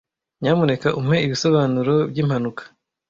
Nyamuneka umpe ibisobanuro byimpanuka.